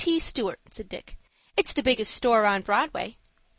T. Stewart," said Dick. "It's the biggest store on Broadway.